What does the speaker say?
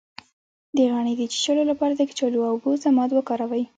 د غڼې د چیچلو لپاره د کچالو او اوبو ضماد وکاروئ